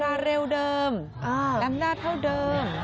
อัตราเร็วเดิมแรมนาทเท่าเดิม